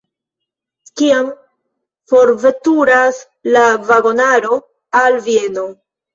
Kiam forveturas la vagonaro al Vieno?